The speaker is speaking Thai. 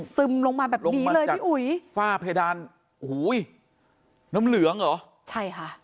ซึมลงมาแบบนี้เลยพี่อุ๋ยฝ้าเพดานโอ้โหน้ำเหลืองเหรอใช่ค่ะ